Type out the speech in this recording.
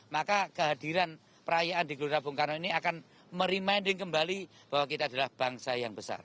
maka kehadiran perayaan di gelora bung karno ini akan merimending kembali bahwa kita adalah bangsa yang besar